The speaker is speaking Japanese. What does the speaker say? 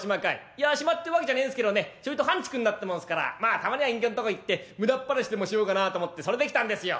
『いや暇ってわけじゃねえんすけどねちょいと半ちくになったもんっすからまあたまには隠居んとこ行って無駄っ話でもしようかなと思ってそれで来たんですよ』」。